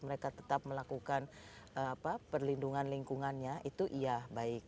mereka tetap melakukan perlindungan lingkungannya itu iya baik